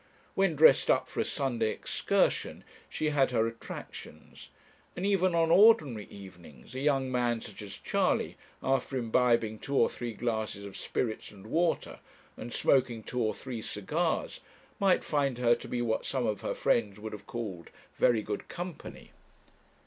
When dressed up for a Sunday excursion she had her attractions, and even on ordinary evenings, a young man such as Charley, after imbibing two or three glasses of spirits and water, and smoking two or three cigars, might find her to be what some of her friends would have called 'very good company.'